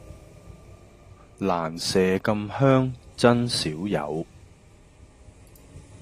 蘭麝咁香真少有